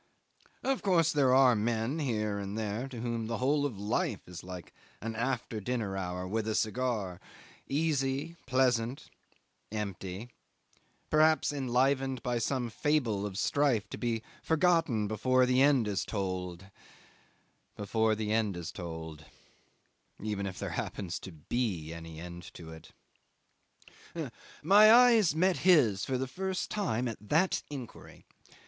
Of course there are men here and there to whom the whole of life is like an after dinner hour with a cigar; easy, pleasant, empty, perhaps enlivened by some fable of strife to be forgotten before the end is told before the end is told even if there happens to be any end to it. 'My eyes met his for the first time at that inquiry.